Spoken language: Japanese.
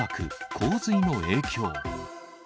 洪水の影響。